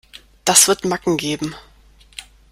Das wird Macken geben.